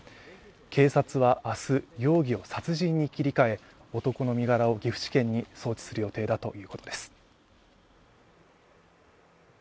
警察は明日、容疑を殺人に切り替え男の身柄を岐阜地検に送致する予定だということです。